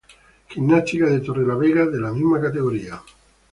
Gimnástica de Torrelavega, de la misma categoría.